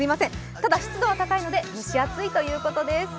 ただ湿度は高いので蒸し暑いということです。